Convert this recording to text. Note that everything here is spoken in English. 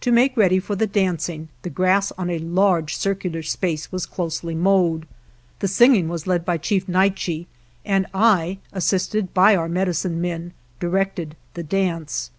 To make ready for the dancing the grass on a large circular space was closely mowed. The singing was led by Chief Naiche, and I, assisted by our medicine men, directed the dance.